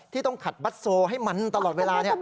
ต้องขัดบัสโซให้มันตลอดเวลา